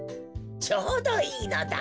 ちょうどいいのだ。